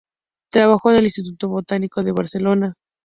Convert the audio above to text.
Trabajó en el "Instituto Botánico de Barcelona".